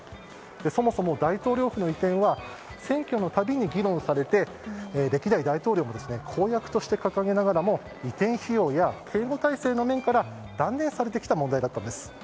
そもそも、大統領府の移転は選挙の度に議論されて歴代大統領も公約として掲げながらも移転費用や警護体制の面から断念されてきた問題だったんです。